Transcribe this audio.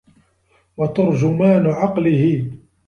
وَتَرْجُمَانُ عَقْلِهِ